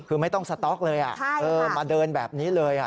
คือไม่ต้องสต๊อกเลยมาเดินแบบนี้เลย